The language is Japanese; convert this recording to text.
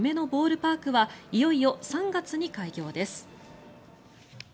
パークはいよいよ３月に開業です。